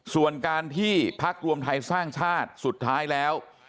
ส่วนการที่พักรวมไทยสร้างชาติสุดท้ายแล้ว